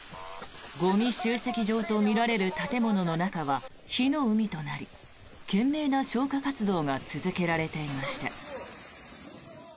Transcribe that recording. ゴミ集積場とみられる建物の中は火の海となり懸命な消火活動が続けられていました。